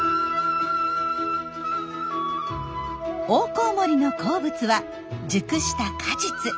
オオコウモリの好物は熟した果実。